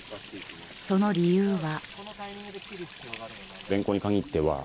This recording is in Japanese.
その理由は。